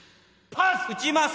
撃ちます